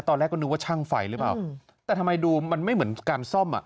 ตอนแรกก็นึกว่าช่างไฟหรือเปล่าแต่ทำไมดูมันไม่เหมือนการซ่อมอ่ะ